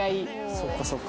そっかそっか。